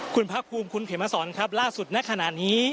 คุณพระคุมคุณเขมสรครับล่าสุดในขณะนี้